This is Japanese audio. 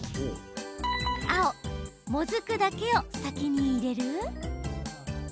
青・もずくだけを先に入れる？